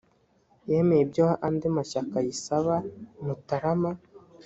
yemeye ibyo andi mashyaka ayisaba mutarama